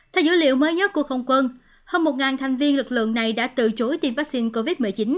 theo dữ liệu mới nhất của không quân hơn một thành viên lực lượng này đã từ chối tiêm vaccine covid một mươi chín